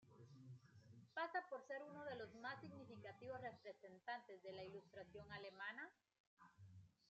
Pasa por ser uno de los más significativos representantes de la Ilustración alemana.